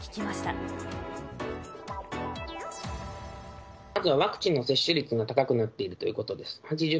まずはワクチンの接種率が高くなっているということです。